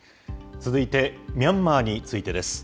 続いて、ミャンマーについてです。